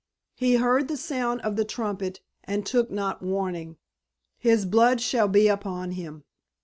He heard the sound of the trumpet and took not warning; his blood shall be upon him.